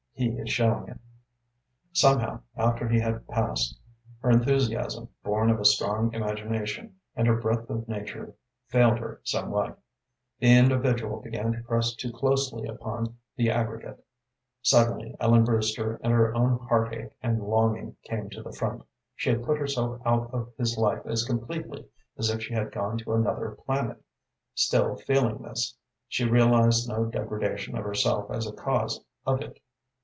He is showing it." Somehow, after he had passed, her enthusiasm, born of a strong imagination, and her breadth of nature failed her somewhat. The individual began to press too closely upon the aggregate. Suddenly Ellen Brewster and her own heartache and longing came to the front. She had put herself out of his life as completely as if she had gone to another planet. Still, feeling this, she realized no degradation of herself as a cause of it.